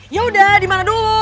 yaudah dimana dulu